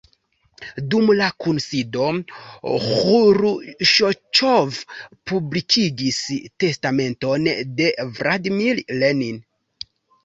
Dum la kunsido, Ĥruŝĉov publikigis testamenton de Vladimir Lenin.